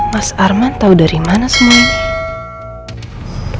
mas arman tau dari mana semua ini